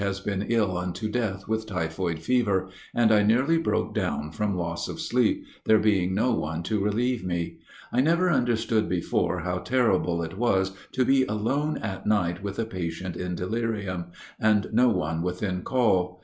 has been ill unto death with typhoid fever, and I nearly broke down from loss of sleep, there being no one to relieve me. I never understood before how terrible it was to be alone at night with a patient in delirium, and no one within call.